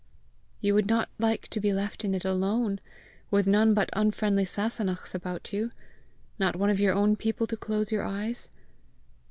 "You would not like to be left in it alone, with none but unfriendly Sasunnachs about you not one of your own people to close your eyes?"